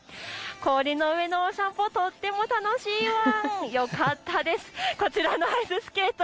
氷の上のお散歩、とっても楽しいワン。